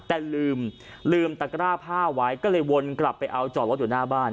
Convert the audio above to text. แต่ลืมลืมตะกร้าผ้าไว้ก็เลยวนกลับไปเอาจอดรถอยู่หน้าบ้าน